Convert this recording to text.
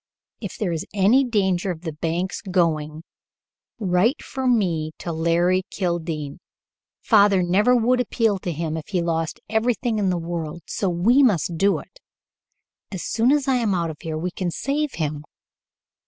"If there is any danger of the bank's going, write for me to Larry Kildene. Father never would appeal to him if he lost everything in the world, so we must do it. As soon as I am out of here we can save him."